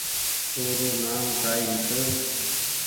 او رو نآم ڪآئي هيتو